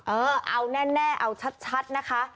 เออเอาแน่เอาชัดนะคะ